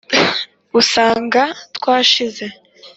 usanga twashize